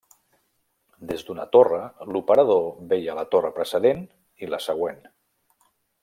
Des d'una torre l'operador veia la torre precedent i la següent.